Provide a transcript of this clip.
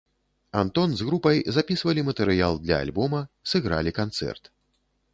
Антон з групай запісвалі матэрыял для альбома, сыгралі канцэрт.